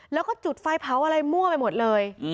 แล้วก็จุดไฟเผาอะไรมั่วไปหมดเลย